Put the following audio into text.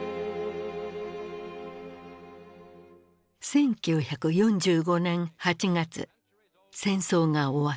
１９４５年８月戦争が終わった。